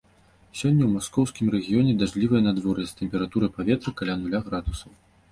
Сёння ў маскоўскім рэгіёне дажджлівае надвор'е з тэмпературай паветра каля нуля градусаў.